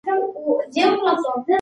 ساعت خپلې ثانیې په ډېر دقت سره شمارلې.